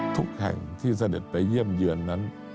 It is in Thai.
ทุกแห่งที่เสด็จไปเยี่ยมเยือนนั้น